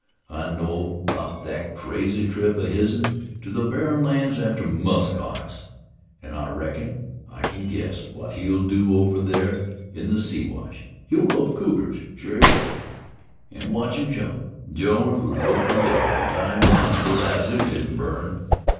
I know about that crazy trip of his'n to the Barren Lands, after musk ox. An' I reckon I kin guess what he'll do over there in the Siwash. He'll rope cougars sure he will an' watch 'em jump. Jones would rope the devil, an' tie him down if the lasso didn't burn.